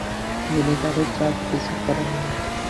যিনি কারও জাত বিচার করেন না।